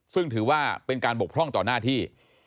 ซึ่งถือว่าเป็นการบกพร่องต่อหน้าที่